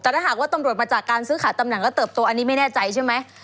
แต่ถ้าหากว่าตำรวจมาจากการซื้อขายตำแหน่งแล้วเติบตัวอันนี้ไม่แน่ใจใช่ไหม